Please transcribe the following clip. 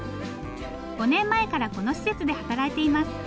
５年前からこの施設で働いています。